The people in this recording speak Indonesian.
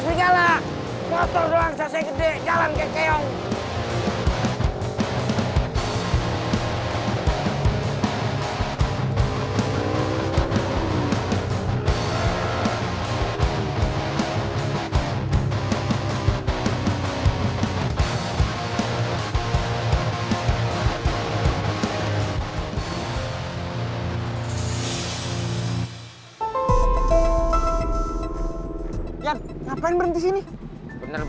kalung gue terus giliran sekarang kalung gue bener bener hilang